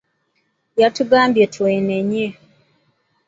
Yatugambye twenenye.